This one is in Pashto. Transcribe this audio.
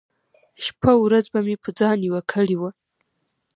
شپه ورځ به مې په ځان يوه کړې وه .